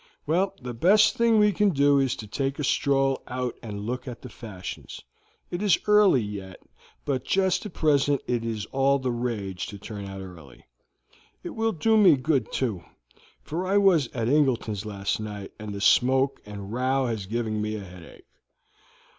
Well, the best thing we can do is to take a stroll out and look at the fashions. It is early yet, but just at present it is all the rage to turn out early. It will do me good too, for I was at Ingleston's last night, and the smoke and row has given me a headache.